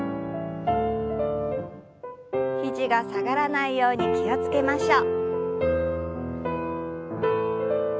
肘が下がらないように気を付けましょう。